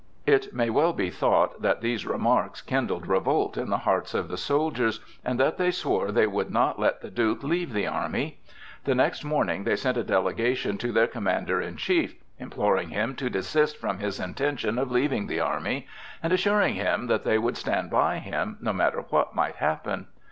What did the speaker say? It may well be thought that these remarks kindled revolt in the hearts of the soldiers, and that they swore they would not let the Duke leave the army. The next morning they sent a delegation to their commander in chief, imploring him to desist from his intention of leaving the army, and assuring him that they would stand by him, no matter what might happen.